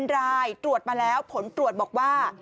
๑รายตรวจมาแล้วผลตรวจบอกว่า